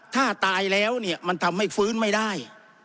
ถ้าตายแล้วเนี่ยมันทำให้ฟื้นไม่ได้